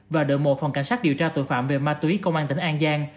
và đội một phòng cảnh sát điều tra tội phạm về ma túy công an tỉnh an giang